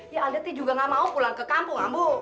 ya alda juga gak mau pulang ke kampung ambo